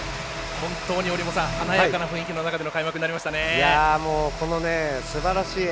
本当に華やかな雰囲気での開幕になりましたね。